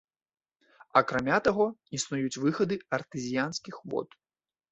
Акрамя таго, існуюць выхады артэзіянскіх вод.